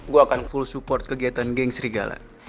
gue akan full support kegiatan geng serigala